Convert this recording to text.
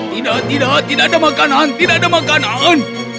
tidak tidak tidak ada makanan tidak ada makanan